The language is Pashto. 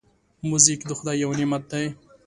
موزیک د خدای یو نعمت دی.